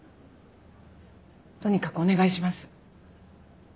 とにかくお願いします。